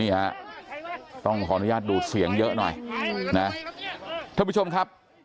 นี่ฮะต้องขออนุญาตดูดเสียงเยอะหน่อยนะท่านผู้ชมครับ